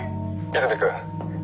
「泉くん君